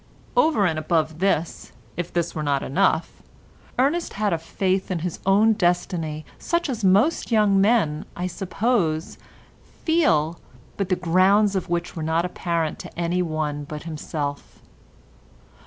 Over and above this—if this were not enough—Ernest had a faith in his own destiny such as most young men, I suppose, feel, but the grounds of which were not apparent to any one but himself.